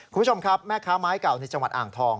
คุณผู้ชมครับแม่ค้าไม้เก่าในจังหวัดอ่างทอง